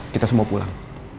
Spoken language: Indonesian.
kita semua pulang